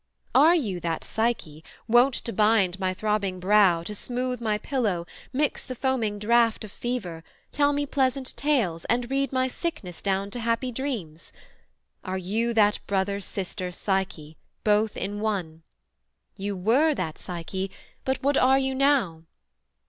are you That Psyche, wont to bind my throbbing brow, To smoothe my pillow, mix the foaming draught Of fever, tell me pleasant tales, and read My sickness down to happy dreams? are you That brother sister Psyche, both in one? You were that Psyche, but what are you now?'